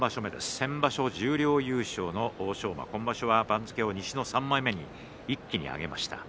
先場所十両優勝の欧勝馬は今場所は番付を西の３枚目に一気に上げました。